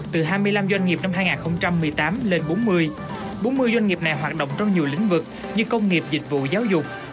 từ hai mươi năm doanh nghiệp năm hai nghìn một mươi tám lên bốn mươi bốn mươi doanh nghiệp này hoạt động trong nhiều lĩnh vực như công nghiệp dịch vụ giáo dục